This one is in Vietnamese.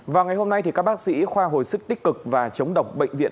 vào ngày hôm nay các bác sĩ khoa hồi sức tích cực và chống độc bệnh viện